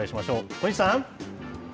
小西さん。